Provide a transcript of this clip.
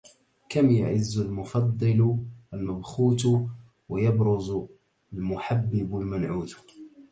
كم يعز المفضل المبخوت ويبز المحبب المنعوت